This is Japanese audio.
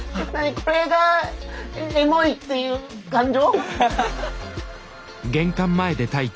これがエモいっていう感情？